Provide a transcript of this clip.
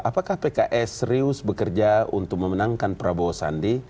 apakah pks serius bekerja untuk memenangkan prabowo sandi